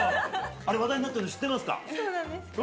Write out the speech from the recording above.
あれ、話題になってるの知っそうなんですか？